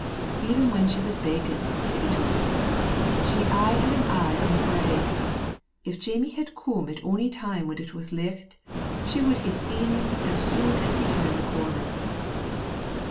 "Even when she was bakin'," Tibbie told me, "she aye had an eye on the brae. If Jamie had come at ony time when it was licht she would hae seen 'im as sune as he turned the corner."